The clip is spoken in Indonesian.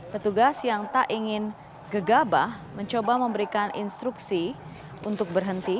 petugas yang tak ingin gegabah mencoba memberikan instruksi untuk berhenti